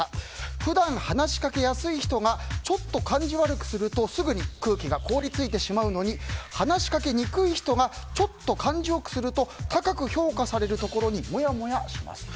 普段、話しかけやすい人がちょっと感じ悪くするとすぐに空気が凍り付いてしまうのに話しかけにくい人がちょっと感じ良くすると高く評価されるところにもやもやします。